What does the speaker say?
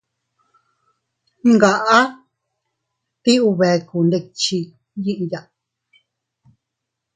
Ngaʼa ti ubekundikchi yiya.